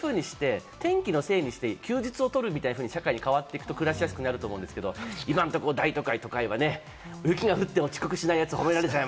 天気のせいにして休日をとるみたいに社会が変わっていくと暮らしやすくなると思うんですけれど、今のところ大都会は雪が降っても遅刻しないやつが褒められる。